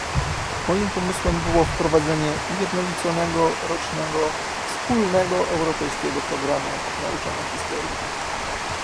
Moim pomysłem było wprowadzenie ujednoliconego, rocznego wspólnego europejskiego programu nauczania historii